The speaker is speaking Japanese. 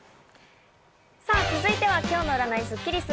続いては今日の占いスッキりす。